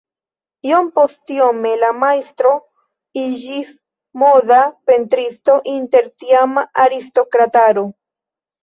Iompostiome la majstro iĝis moda pentristo inter tiama aristokrataro.